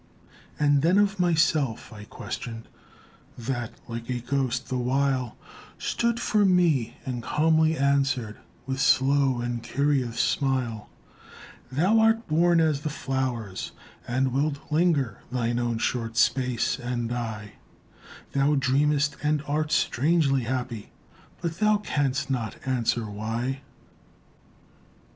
And then of myself I questioned, That like a ghost the while Stood from me and calmly answered, With slow and curious smile: "Thou art born as the flowers, and wilt linger Thine own short space and die; Thou dream'st and art strangely happy, But thou canst not answer why."